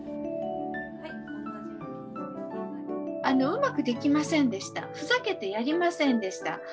「うまくできませんでした」「ふざけてやりませんでした」